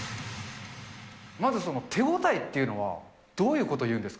まずその、手応えっていうのは、どういうことを言うんですか。